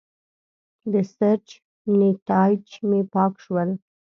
د سرچ نیتایج مې پاک شول.